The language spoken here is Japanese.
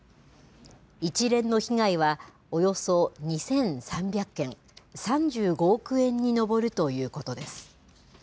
一連の被害は、およそ２３００件、３５億円に上るということです。